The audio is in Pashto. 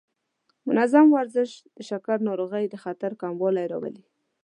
منظم ورزش د شکر ناروغۍ د خطر کموالی راولي.